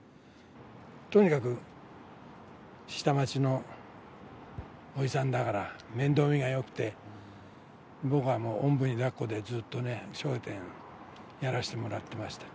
とにかく下町のおじさんだから面倒見がよくて、僕はもう、おんぶにだっこで、ずっとね、笑点やらしてもらってました。